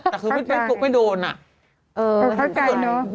แต่คือแบบไม่โดนอ่ะทะกไกลนะ